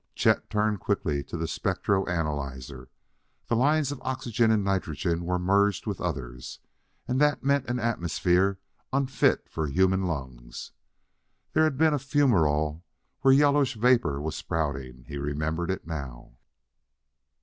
Chet turned quickly to the spectro analyzer: the lines of oxygen and nitrogen were merged with others, and that meant an atmosphere unfit for human lungs! There had been a fumerole where yellowish vapor was spouting: he remembered it now.